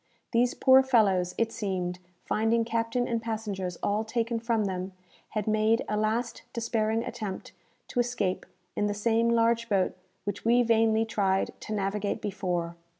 These poor fellows, it seemed, finding captain and passengers all taken from them, had made a last despairing attempt to escape in the same large boat which we vainly tried to navigate before.